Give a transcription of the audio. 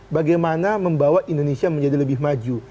bagaimana membawa indonesia menjadi lebih maju